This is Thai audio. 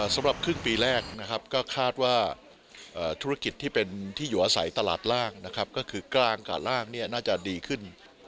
สำหรับครึ่งปีแรกก็คาดว่าธุรกิจที่เป็นที่หยวะใสตลาดล่างก็คือกลางกับล่างน่าจะดีขึ้น